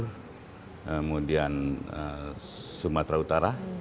kemudian sumatera utara